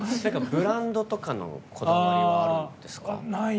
ブランドとかのこだわりはあるんですか？